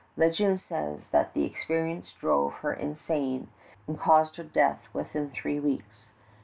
Legend says that the experience drove her insane and caused her death within three weeks.